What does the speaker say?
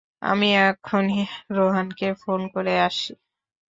আমি এখনই রোহানকে ফোন করে আসি।